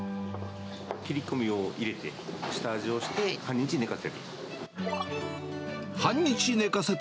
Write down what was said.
切り込みを入れて、下味をして、半日寝かせる。